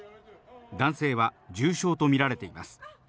男性は重傷とみられています。